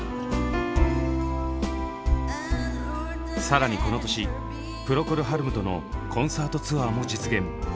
更にこの年プロコル・ハルムとのコンサートツアーも実現。